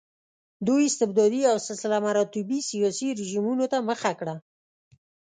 دوی استبدادي او سلسله مراتبي سیاسي رژیمونو ته مخه کړه.